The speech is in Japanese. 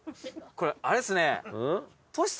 これあれっすね。